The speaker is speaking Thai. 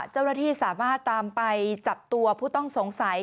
เจ้าหน้าที่สามารถตามไปจับตัวผู้ต้องสงสัย